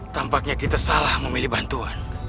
tampaknya kita salah memilih bantuan